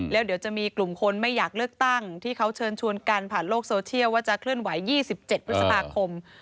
แล้วเดี๋ยวจะมีกลุ่มคนไม่อยากเลือกตั้งที่เขาเชิญชวนกันผ่านโลกโซเชียลว่าจะเคลื่อนไหว๒๗พฤษภาคม